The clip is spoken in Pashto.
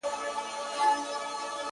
د غوښـــو زړونه په پېسو نه کيږي